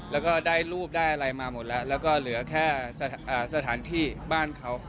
แล้วก็ได้รูปได้อะไรมาหมดแล้วแล้วก็เหลือแค่สถานที่บ้านเขา